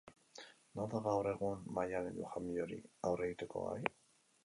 Nor da gaur egun Maialen Lujanbiori aurre egiteko gai?